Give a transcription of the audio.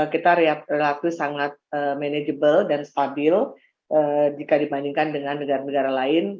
kita relatif sangat manageable dan stabil jika dibandingkan dengan negara negara lain